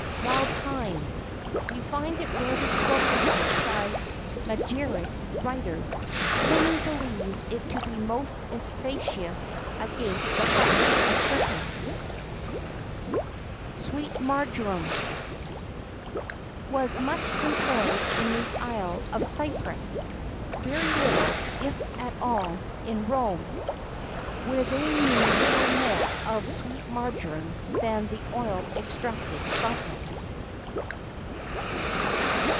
WILD THYME. We find it rarely spoken of by magiric writers. Pliny believes it to be most efficacious against the bite of serpents.[X 30] SWEET MARJORAM.[X 31] Was much employed in the Isle of Cyprus; very little, if at all, in Rome, where they knew little more of sweet marjoram than the oil extracted from it.